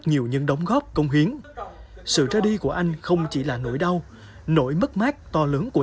nhiều những đóng góp công hiến sự ra đi của anh không chỉ là nỗi đau nỗi mất mát to lớn của